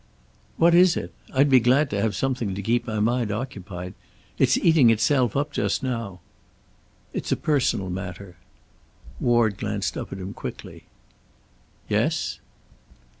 "What is it? I'd be glad to have something to keep my mind occupied. It's eating itself up just now." "It's a personal matter." Ward glanced up at him quickly. "Yes?"